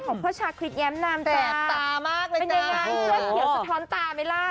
พ่อชาคริสแย้มนามแสบตามากเลยเป็นยังไงเสื้อเขียวสะท้อนตาไหมล่ะ